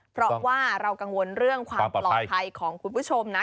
เพราะว่าเรากังวลเรื่องความปลอดภัยของคุณผู้ชมนะ